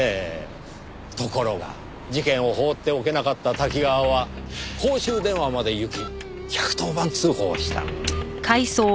ところが事件を放っておけなかった瀧川は公衆電話まで行き１１０番通報した。